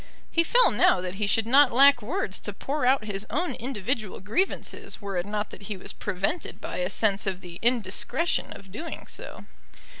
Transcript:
He felt now that he should not lack words to pour out his own individual grievances were it not that he was prevented by a sense of the indiscretion of doing so.